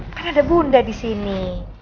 kan ada bunda disini